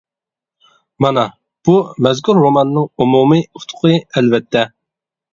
مانا بۇ مەزكۇر روماننىڭ ئومۇمىي ئۇتۇقى، ئەلۋەتتە.